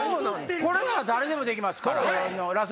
これなら誰でもできますから。